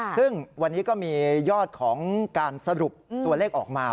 ซึ่งวันนี้ก็มียอดของการสรุปตัวเลขออกมา